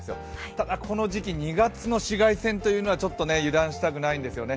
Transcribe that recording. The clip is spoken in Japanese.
ただ、この時期、２月の紫外線というのは、ちょっと油断したくないんですよね。